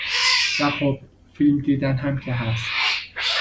و خب فیلم دیدن هم که هست.